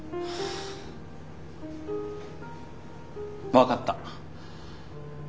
分かった。